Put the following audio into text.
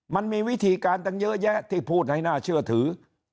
มันมีวิธีการตั้งเยอะแยะที่พูดให้น่าเชื่อถือ